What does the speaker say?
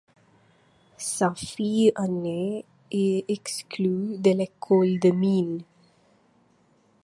Sa fille aînée est exclue de l'École des mines.